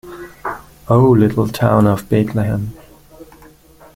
O little town of Bethlehem.